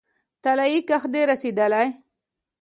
طلايي کښت دې رسیدلی